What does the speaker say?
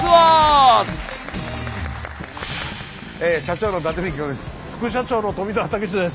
社長の伊達みきおです。